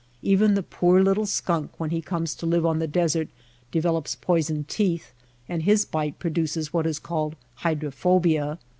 Even the poor little skunk when he comes to live on the desert de velops poisoned teeth and his bite produces what is called hydrophobia.